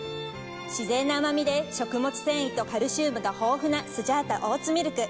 自然な甘みで食物繊維とカルシウムが豊富なスジャータオーツミルク。